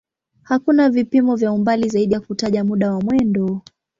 Hakuna vipimo vya umbali zaidi ya kutaja muda wa mwendo.